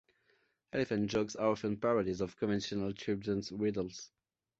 Elephant jokes are often parodies of conventional children's riddles.